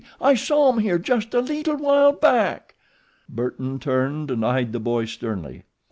I saw 'em here just a leetle while back." Burton turned and eyed the boy sternly.